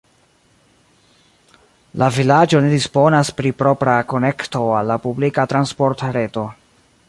La vilaĝo ne disponas pri propra konekto al la publika transportreto.